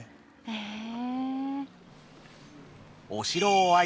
へえ。